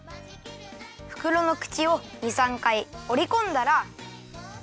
ふくろのくちを２３かいおりこんだら。